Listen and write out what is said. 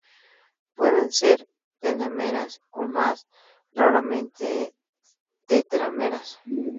Pueden ser pentámeras o, más raramente, tetrámeras.